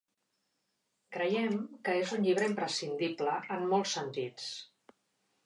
Creiem que és un llibre imprescindible en molts sentits.